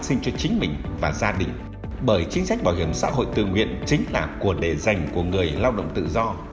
xã hội tự nguyện chính là quần đề dành của người lao động tự do